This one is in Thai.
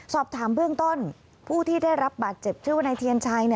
สอบถามเบื้องต้นผู้ที่ได้รับบาดเจ็บชื่อว่านายเทียนชัย